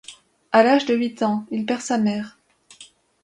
À l'âge de huit ans, il perd sa mère.